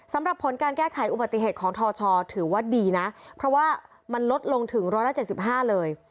สำหรับผลการแก้ไขอุบัติเหตุของทชถือว่าดีนะเพราะว่ามันลดลงถึง๑๗๕เลย